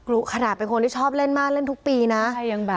ขนาดเป็นคนที่ชอบเล่นมากเล่นทุกปีนะ